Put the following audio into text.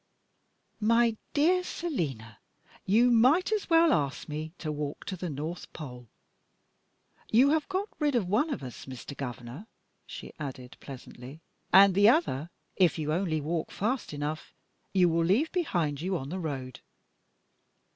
My dear Selina, you might as well ask me to walk to the North Pole. You have got rid of one of us, Mr. Governor," she added, pleasantly; "and the other, if you only walk fast enough, you will leave behind you on the road.